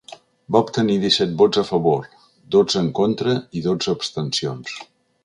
Va obtenir disset vots a favor, dotze en contra i dotze abstencions.